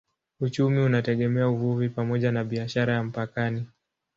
Uchumi unategemea uvuvi pamoja na biashara ya mpakani.